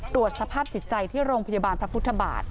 ตรวจสภาพจิตใจที่โรงพยาบาลพระพุทธบาท